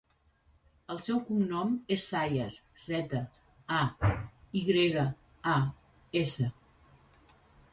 El seu cognom és Zayas: zeta, a, i grega, a, essa.